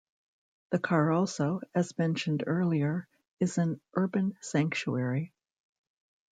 The car also, as mentioned earlier, is an "Urban Sanctuary".